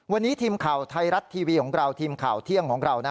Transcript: วันนี้ทีมข่าวไทยรัฐทีวีของเราทีมข่าวเที่ยงของเรา